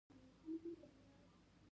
دا تربیوي پروګرامونه دي.